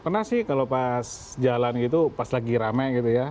pernah sih kalau pas jalan gitu pas lagi rame gitu ya